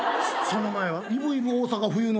その前は？